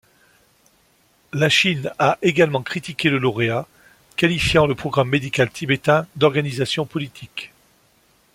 La Chine a également critiqué le lauréat, qualifiant le programme médical tibétain d’organisation politique.